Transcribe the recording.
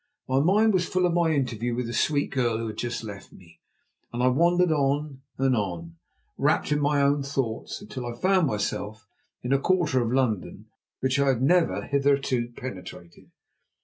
My mind was full of my interview with the sweet girl who had just left me, and I wandered on and on, wrapped in my own thoughts, until I found myself in a quarter of London into which I had never hitherto penetrated.